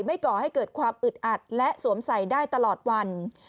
ก่อให้เกิดความอึดอัดและสวมใส่ได้ตลอดวัน